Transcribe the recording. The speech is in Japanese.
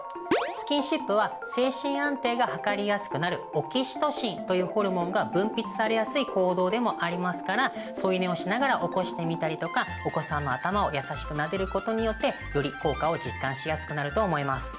スキンシップは精神安定が図りやすくなるオキシトシンというホルモンが分泌されやすい行動でもありますから添い寝をしながら起こしてみたりとかお子さんの頭を優しくなでることによってより効果を実感しやすくなると思います。